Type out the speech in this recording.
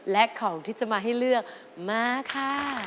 และของที่จะมาให้เลือกมาค่ะ